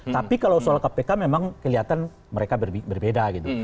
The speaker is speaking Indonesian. tapi kalau soal kpk memang kelihatan mereka berbeda gitu